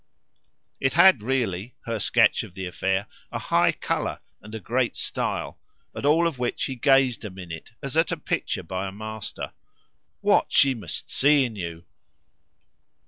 It had really, her sketch of the affair, a high colour and a great style; at all of which he gazed a minute as at a picture by a master. "What she must see in you!"